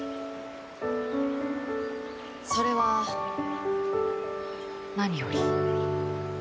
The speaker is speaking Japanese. それは何より。